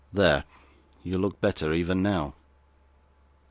There. You look better even now.